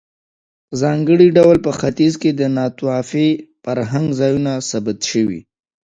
په ځانګړي ډول په ختیځ کې د ناتوفي فرهنګ ځایونه ثبت شوي.